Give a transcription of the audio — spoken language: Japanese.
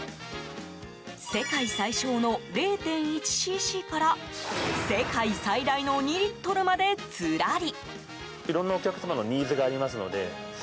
世界最小の０．１ｃｃから世界最大の２リットルまでずらり。